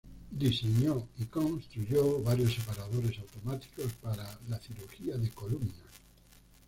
Diseñó y construyó varios separadores automáticos para la cirugía de columna.